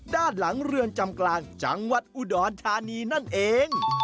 ด้านหลังเรือนจำกลางจังหวัดอุดรธานีนั่นเอง